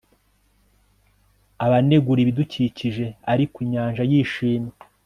Abanegura ibidukikije ariko inyanja yishimye